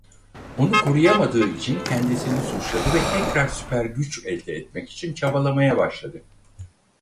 Onu koruyamadığı için kendisini suçladı ve tekrar süper güç elde etmek için çabalamaya başladı.